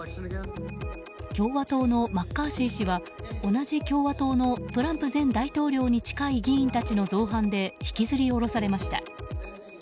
共和党のマッカーシー氏は同じ共和党のトランプ前大統領に近い議員たちの造反で引きずり降ろされました。